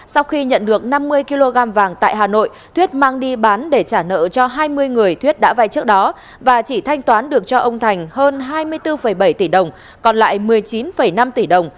sau khi nhận được năm mươi kg vàng tại hà nội thuyết mang đi bán để trả nợ cho hai mươi người thuyết đã vay trước đó và chỉ thanh toán được cho ông thành hơn hai mươi bốn bảy tỷ đồng còn lại một mươi chín năm tỷ đồng